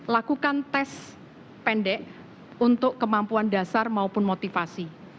lakukan tes pendek untuk kemampuan dasar maupun motivasi